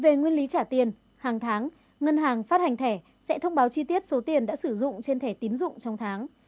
về nguyên lý trả tiền hàng tháng ngân hàng phát hành thẻ sẽ thông báo chi tiết số tiền đã sử dụng trên thẻ tín dụng trong tháng